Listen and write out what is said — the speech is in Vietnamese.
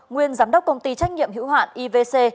nguyên giám đốc công ty trách nhiệm hữu hạn ivc